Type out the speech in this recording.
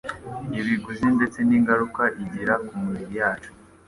ibiguzi ndetse n’ingaruka igira ku mibiri yacu.